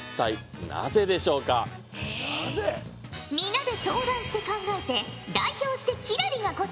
皆で相談して考えて代表して輝星が答えるのじゃ。